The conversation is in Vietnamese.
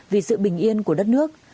vì sự bình yên của đất nước